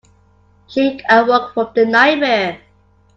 She awoke from the nightmare.